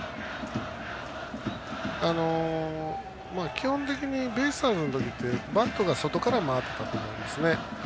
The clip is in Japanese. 基本的にベイスターズの時ってバットが外から回っていたと思うんですね。